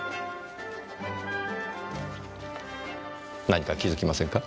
何か気づきませんか？